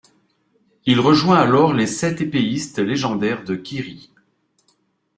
Il rejoint alors les sept épéistes légendaires de Kiri.